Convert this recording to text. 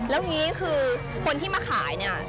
แล้วอย่างนี้คือคนที่มาขายเนี่ย